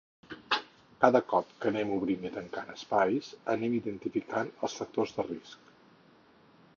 Cada cop que anem obrint i tancant espais, anem identificant els factors de risc.